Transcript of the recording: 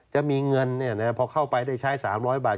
จะมีเงินพอเข้าไปได้ใช้๓๐๐บาท